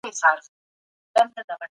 د چاپېريال درک تر کتاب لوستلو کم نه دی.